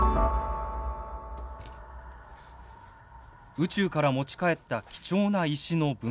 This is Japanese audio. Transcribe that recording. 宇宙から持ち帰った貴重な石の分析。